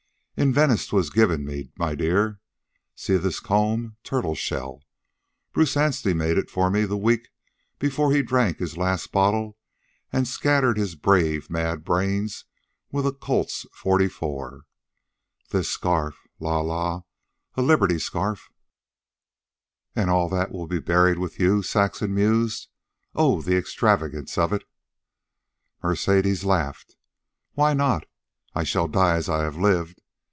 "In Venice 'twas given me, my dear. See, this comb, turtle shell; Bruce Anstey made it for me the week before he drank his last bottle and scattered his brave mad brains with a Colt's 44. This scarf. La la, a Liberty scarf " "And all that will be buried with you," Saxon mused, "Oh, the extravagance of it!" Mercedes laughed. "Why not? I shall die as I have lived.